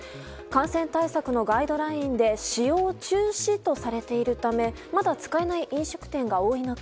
感染対策のガイドラインで使用中止とされているためまだ使えない飲食店が多い中